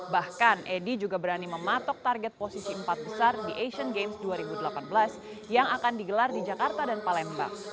bahkan edi juga berani mematok target posisi empat besar di asian games dua ribu delapan belas yang akan digelar di jakarta dan palembang